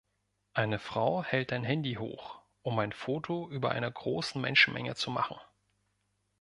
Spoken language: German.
Eine Frau hällt ein Handy hoch, um ein Foto über einer großen Menschenmenge zu machen.